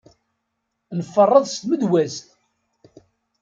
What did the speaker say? Nferreḍ s tmedwazt.